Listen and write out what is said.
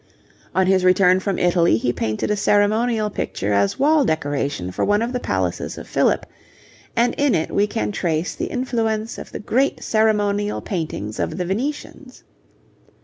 On his return from Italy he painted a ceremonial picture as wall decoration for one of the palaces of Philip, and in it we can trace the influence of the great ceremonial paintings of the Venetians.